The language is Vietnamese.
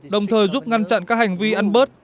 đồng thời giúp ngăn chặn các hành vi ăn bớt